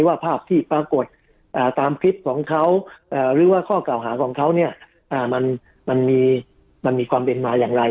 ว่าภาพที่ปรากฏตามคลิปของเขาหรือว่าข้อเก่าหาของเขาเนี่ยมันมีความเป็นมาอย่างไร